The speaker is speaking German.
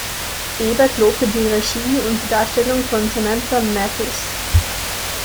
Ebert lobte die Regie und die Darstellung von Samantha Mathis.